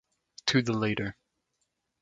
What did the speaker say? To the Leader.